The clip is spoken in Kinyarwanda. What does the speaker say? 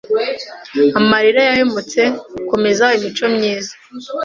amarira yahemutse `Komeza imico myiza